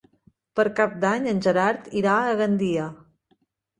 Per Cap d'Any en Gerard irà a Gandia.